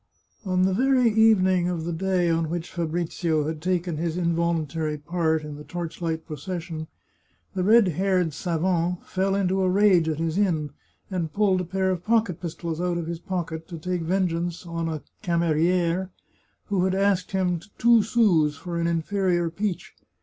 On the very evening of the day on which Fabrizio had taken his involuntary part in the torch light procession, the red haired savant fell into a rage at his inn, and pulled a pair of pocket pistols out of his pocket to take vengeance on a camerier who had asked him two sous for an inferior peach.